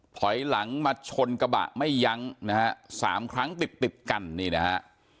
ถอยหลังมาชนกระบะไม่ยั้งนะฮะสามครั้งติดติดกันนี่นะฮะ